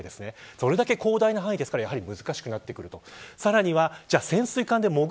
それだけ広大な範囲ですから難しくなってくると。